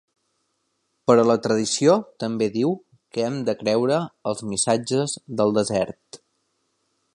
Però la Tradició també diu que hem de creure els missatges del desert.